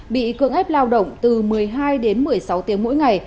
bị cưỡng ép lao động từ một mươi hai đến một mươi sáu tiếng mỗi ngày